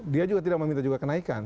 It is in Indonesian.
dia juga tidak meminta juga kenaikan